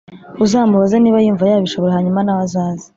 uzamubaze niba yumva yabishobora hanyuma nawe azaze